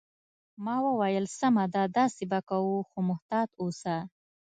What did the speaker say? ما وویل: سمه ده، داسې به کوو، خو محتاط اوسه.